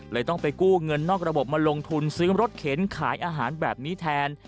ต้องไปกู้เงินนอกระบบมาลงทุนซื้อรถเข็นขายอาหารแบบนี้แทน